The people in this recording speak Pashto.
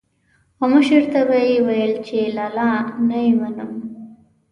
او مشر ته به یې ويل چې لالا نه يې منم.